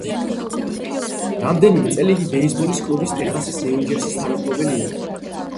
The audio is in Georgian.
რამდენიმე წელი იგი ბეისბოლის კლუბის ტეხასის რეინჯერსის თანამფლობელი იყო.